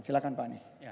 silahkan pak anies